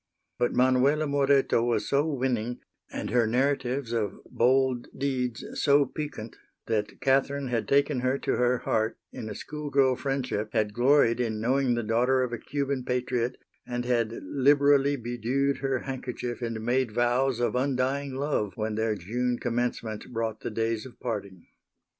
But Manuela Moreto was so winning, and her narratives of bold deeds so piquant, that Catherine had taken her to her heart in a school girl friendship, had gloried in knowing the daughter of a Cuban patriot and had liberally bedewed her handkerchief and made vows of undying love when their June commencement brought the days of parting.